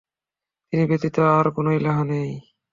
তিনি ব্যতীত আর কোন ইলাহ নেই।